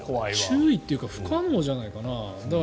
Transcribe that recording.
注意というか不可能じゃないかな。